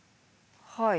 はい。